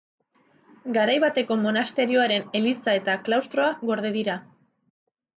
Garai bateko monasterioaren eliza eta klaustroa gorde dira.